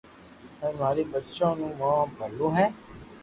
ھين مارو ٻچو سبو مون ٻلو ھي